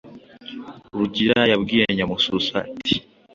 Rugira yabwiye Nyamususa ati: